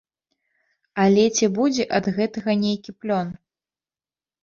Але ці будзе ад гэтага нейкі плён?